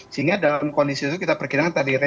sehingga dalam kondisi itu kita perkirakan tadi